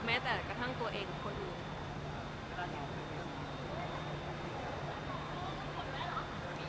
แม้แต่กระทั่งตัวเองคนอื่น